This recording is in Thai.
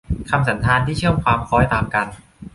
คำสันธานที่เชื่อมความคล้อยตามกัน